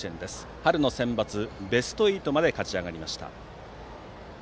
春のセンバツベスト８まで勝ち上がりました。